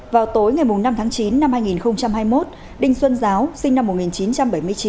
vào tối ngày năm tháng chín năm hai nghìn hai mươi một đinh xuân giáo sinh năm một nghìn chín trăm bảy mươi chín